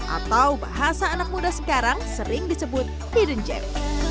atau bahasa anak muda sekarang sering disebut hidden gem